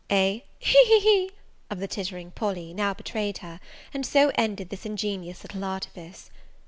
A he, he he! of the tittering Polly, now betrayed her, and so ended this ingenious little artifice.